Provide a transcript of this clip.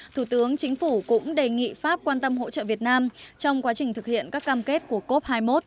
thủ tướng chính phủ cũng đề nghị pháp quan tâm hỗ trợ việt nam trong quá trình thực hiện các cam kết của cop hai mươi một